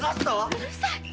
うるさい！